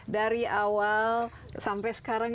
dari awal sampai sekarang